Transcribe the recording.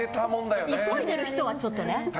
急いでる人はちょっとね。